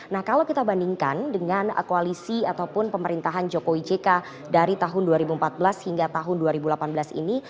nah kalau kita bandingkan dengan koalisi ataupun pemerintahan jokowi jk dari tahun dua ribu empat belas hingga tahun dua ribu delapan belas ini